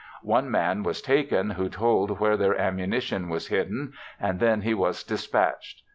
One man was taken who told where their ammunition was hidden, and then he was dispatched.